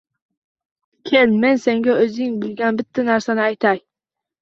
Kel, men senga o’zing bilgan bitta narsani aytay.